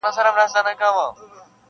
ما ته شجره یې د نژاد او نصب مه راوړی,